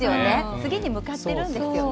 次に向かってるんですよね。